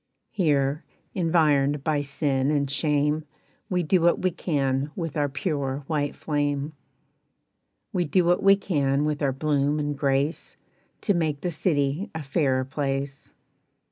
"Here, environed by sin and shame, We do what we can with our pure white flame. "We do what we can with our bloom and grace, To make the city a fairer place.